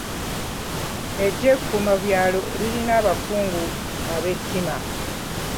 Eggye ekkuumabyalo lirina abakungu ab'ettima.